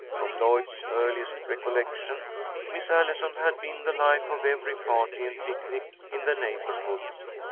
From Lloyd's earliest recollection, Miss Allison had been the life of every party and picnic in the neighbourhood.